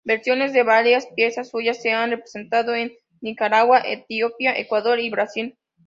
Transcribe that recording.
Versiones de varias piezas suyas se han representado en Nicaragua, Etiopía, Ecuador y Brasil.